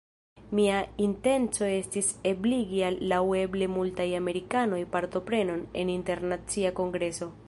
nia intenco estis ebligi al laŭeble multaj amerikanoj partoprenon en internacia kongreso.